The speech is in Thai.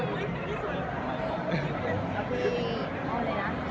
มาขายของของใหม่ค่ะ